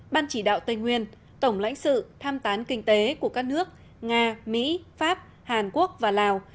ban chỉ đạo tây nguyên tổng lãnh sự tham tán kinh tế của các nước nga mỹ pháp hàn quốc và lào